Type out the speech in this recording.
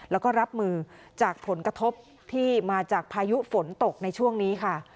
แล้วก็รับมือจากผลกระทบที่มาจากพายุฝนตกในช่วงนี้ค่ะ